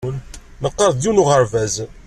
Neqqar deg yiwen n uɣerbaz.